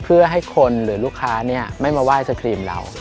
เพื่อให้คนหรือลูกค้าไม่มาไห้สครีมเรา